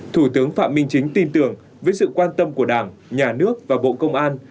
thủ tướng phạm minh chính tin tưởng với sự quan tâm của đảng nhà nước và bộ công an